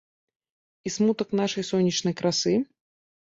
І смутак нашай сонечнай красы?